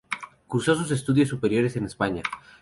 Cursó sus estudios superiores en España.